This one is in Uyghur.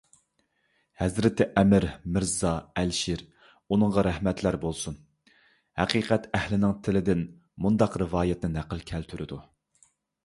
ھەزرىتى ئەمىر مىرزا ئەلىشىر -ئۇنىڭغا رەھمەتلەر بولسۇن- ھەقىقەت ئەھلىنىڭ تىلىدىن مۇنداق رىۋايەتنى نەقىل كەلتۈرىدۇ: